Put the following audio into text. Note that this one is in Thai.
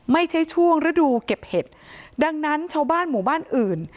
ไม่ใช่ช่วงฤดูเก็บเห็ดดังนั้นชาวบ้านหมู่บ้านอื่น